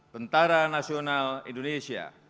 bentara nasional indonesia